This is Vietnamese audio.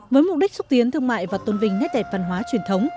với mục đích xúc tiến thương mại và tôn vinh nét đẹp văn hóa truyền thống